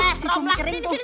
untuk si cumikering tuh